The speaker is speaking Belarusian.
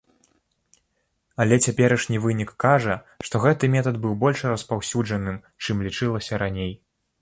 Але цяперашні вынік кажа, што гэты метад быў больш распаўсюджаным, чым лічылася раней.